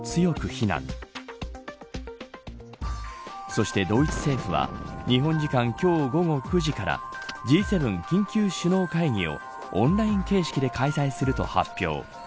そして、ドイツ政府は日本時間今日午後９時からＧ７緊急首脳会議をオンライン形式で開催すると発表。